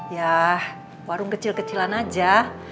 ya warung kecil kecilan aja